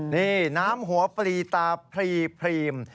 นี่น้ำหัวปลีตาพรีพรีม